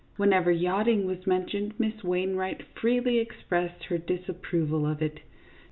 Whenever yachting was mentioned, Miss Wain wright freely expressed her disapproval of it.